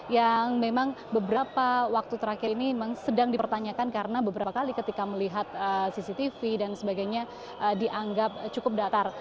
yang memang beberapa waktu terakhir ini memang sedang dipertanyakan karena beberapa kali ketika melihat cctv dan sebagainya dianggap cukup datar